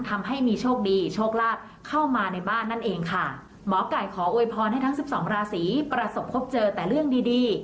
ทำให้มีโชคดีโชคลาภเข้ามาในบ้านนั่นเองค่ะหมอไก่ขอโวยพรให้ทั้งสิบสองราศีประสบพบเจอแต่เรื่องดีดี